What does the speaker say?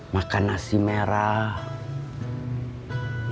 makan nasi merah